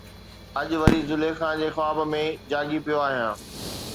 اڄ وري زليخا جي خواب ۾ جاڳي پيو آهيان